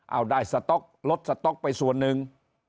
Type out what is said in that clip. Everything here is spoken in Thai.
เอาดายสต็อกลดสต็อกไปส่วนนึง